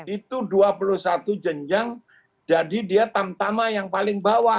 itu dua puluh satu jenjang jadi dia tamtama yang paling bawah